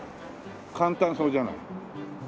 簡単そうじゃない。